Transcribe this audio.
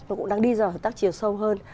và cũng đang đi vào hợp tác chiều sâu hơn